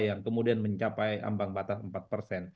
yang kemudian mencapai ambang batas empat persen